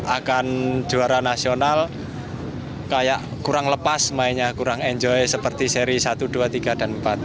akan juara nasional kayak kurang lepas mainnya kurang enjoy seperti seri satu dua tiga dan empat